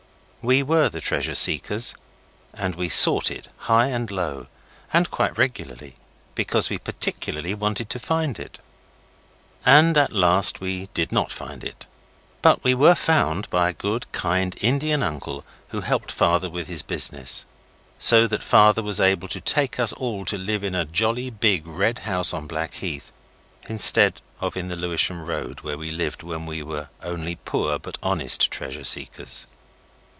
We were the Treasure Seekers, and we sought it high and low, and quite regularly, because we particularly wanted to find it. And at last we did not find it, but we were found by a good, kind Indian uncle, who helped Father with his business, so that Father was able to take us all to live in a jolly big red house on Blackheath, instead of in the Lewisham Road, where we lived when we were only poor but honest Treasure Seekers.